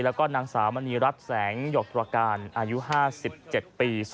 แล้วก็นางสาวมณีรัฐแสงหยกตรการอายุ๕๗ปี